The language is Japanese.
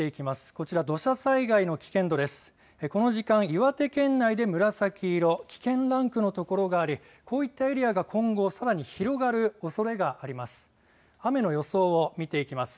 この時間、岩手県内で紫色危険ランクの所がありこういったエリアが今後さらに広がるおそれがあります。